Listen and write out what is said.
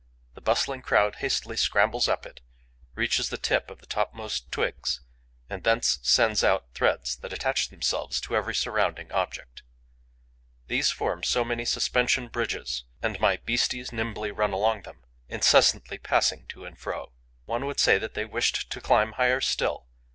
The bustling crowd hastily scrambles up it, reaches the tip of the topmost twigs and thence sends out threads that attach themselves to every surrounding object. These form so many suspension bridges; and my beasties nimbly run along them, incessantly passing to and fro. One would say that they wished to climb higher still.